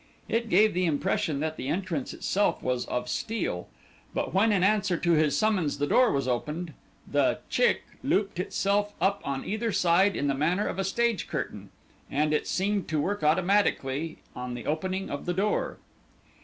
It gave the impression that the entrance itself was of steel, but when in answer to his summons the door was opened, the chick looped itself up on either side in the manner of a stage curtain, and it seemed to work automatically on the opening of the door.